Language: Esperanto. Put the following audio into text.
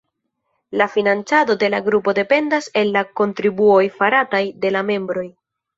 La financado de la grupo dependas el la kontribuoj farataj de la membroj.